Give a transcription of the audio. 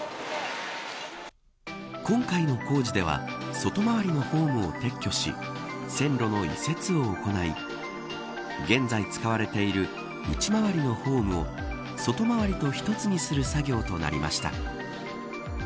今回の工事では外回りのホームを撤去し線路の移設を行い現在、使われている内回りのホームを外回りと一つにする作業となりました。